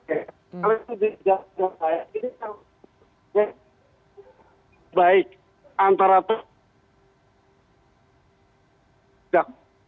kalau itu di jadwal saya ini yang baik antara